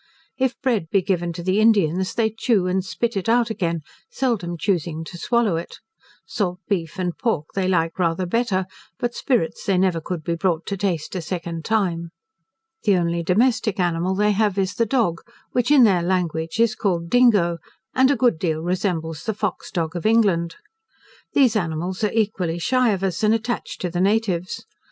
If bread be given to the Indians, they chew and spit it out again, seldom choosing to swallow it. Salt beef and pork they like rather better, but spirits they never could be brought to taste a second time. The only domestic animal they have is the dog, which in their language is called Dingo, and a good deal resembles the fox dog of England. These animals are equally shy of us, and attached to the natives.